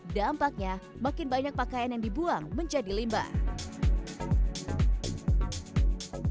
dampaknya makin banyak pakaian yang digunakan untuk pakaian mereka makin banyak pakaian yang digunakan untuk pakaian mereka